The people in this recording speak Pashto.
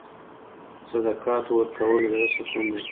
د صدقاتو ورکول د زړه سکون دی.